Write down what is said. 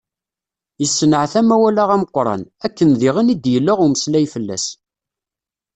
Yessenɛet amawal-a ameqqran, akken diɣen i d-yella umeslay fell-as.